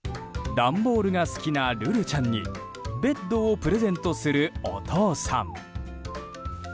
段ボールが好きなるるちゃんにベッドをプレゼントするお父さん。